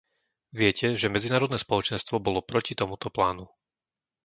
Viete, že medzinárodné spoločenstvo bolo proti tomuto plánu.